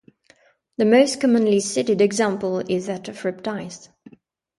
The most commonly cited example is that of reptiles.